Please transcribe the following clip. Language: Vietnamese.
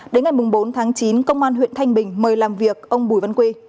đến ngày bốn tháng chín công an huyện thanh bình mời làm việc ông bùi văn quy